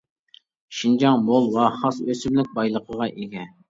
شىنجاڭ مول ۋە خاس ئۆسۈملۈك بايلىقىغا ئىگە.